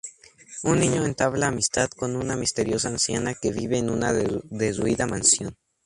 Un niño entabla amistad con una misteriosa anciana que vive en una derruida mansión.